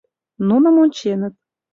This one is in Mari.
Нуным онченыт.